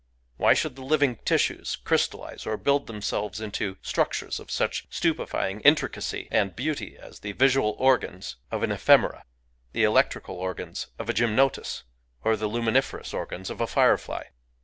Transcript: Why should the living tissues crystallize or build themselves into structures of such stupefying intricacy and beauty as the visual organs of an ephemera, the electrical organs of a gymnotus, or the luminiferous organs of a firefly